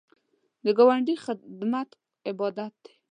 د ګاونډي خدمت عبادت دی